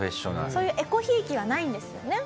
そういうえこひいきはないんですよね？